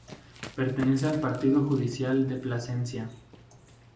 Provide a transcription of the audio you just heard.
Pertenece al partido judicial de Plasencia.